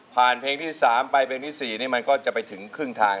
ผ่านเพลงที่๓เปล่าเพลงที่๔มันก็จะไปถึงคึ่งทาง